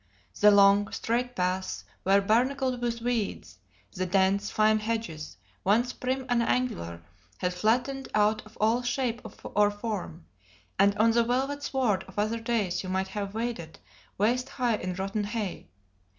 The long, straight paths were barnacled with weeds; the dense, fine hedges, once prim and angular, had fattened out of all shape or form; and on the velvet sward of other days you might have waded waist high in rotten hay.